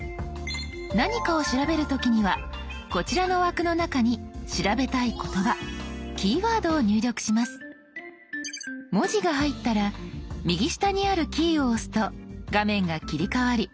何かを調べる時にはこちらの枠の中に調べたい言葉文字が入ったら右下にあるキーを押すと画面が切り替わり